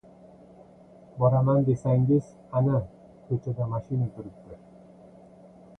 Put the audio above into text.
Boraman desangiz, ana, ko‘chada mashina turibdi.